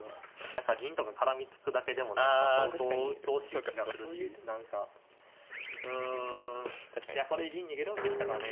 何か銀とか絡みつくだけでも何か相当うっとうしい気がするし何かうんいやこれ銀逃げるんでしたかね。